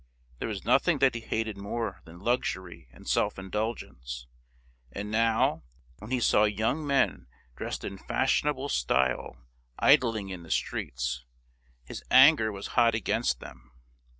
There was nothing that he hated more than luxury and self indulgence; and now when he saw young men dressed in fashionable style idling in the streets, his anger was hot against them.